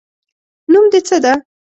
نوم دې څه ده؟